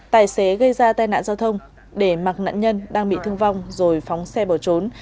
tài xế gây ra tai nạn giao thông để mặc nạn nhân đang bị thương vong rồi phóng xe bỏ trốn